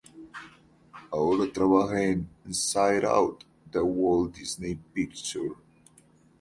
Ahora trabaja en "Inside Out" de Walt Disney Picture.